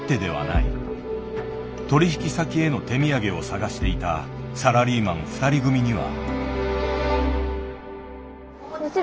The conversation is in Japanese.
取引先への手土産を探していたサラリーマン２人組には。